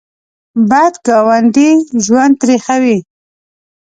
بد ګاونډی ژوند تریخوي